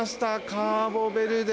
カーボベルデ